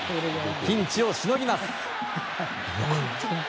ピンチをしのぎます。